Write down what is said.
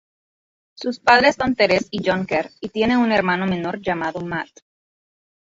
Sus padres son Therese y John Kerr, y tiene un hermano menor llamado Matt.